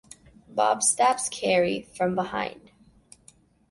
Bob stabs Carrie from behind.